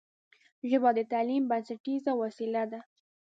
ژبه د تعلیم بنسټیزه وسیله ده